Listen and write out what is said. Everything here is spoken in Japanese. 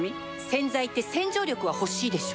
洗剤って洗浄力は欲しいでしょ